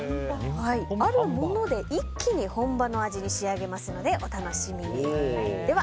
あるもので一気に本場の味に仕上げますのでお楽しみに。